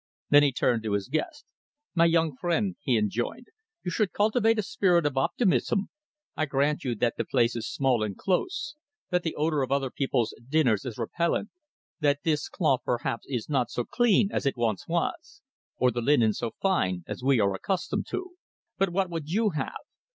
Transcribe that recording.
Then he turned to his guest. "My young friend," he enjoined, "you should cultivate a spirit of optimism. I grant you that the place is small and close, that the odour of other people's dinners is repellent, that this cloth, perhaps, is not so clean as it once was, or the linen so fine as we are accustomed to. But what would you have?